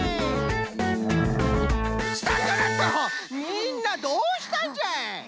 みんなどうしたんじゃい？